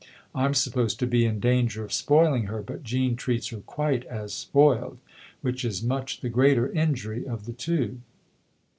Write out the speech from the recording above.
I'm supposed to be in danger of spoiling her, but Jean treats her quite as spoiled ; which is much the greater injury of the two."